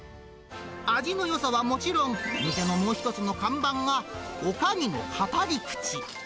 味のよさはもちろん、店のもう一つの看板がおかみの語り口。